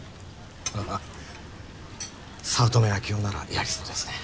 あぁ早乙女秋生ならやりそうですね。